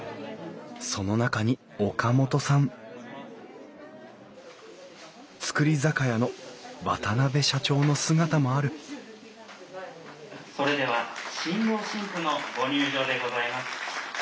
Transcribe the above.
その中に岡本さん造り酒屋の渡社長の姿もあるそれでは新郎新婦のご入場でございます。